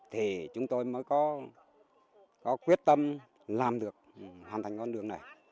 thì chúng tôi mới có quyết tâm làm được hoàn thành con đường này